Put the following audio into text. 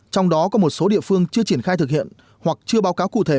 trong đó có một số địa phương chưa triển khai thực hiện hoặc chưa báo cáo cụ thể